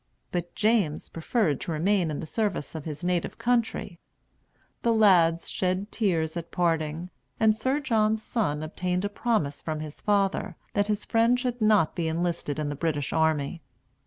But James preferred to remain in the service of his native country. The lads shed tears at parting, and Sir John's son obtained a promise from his father that his friend should not be enlisted in the British army.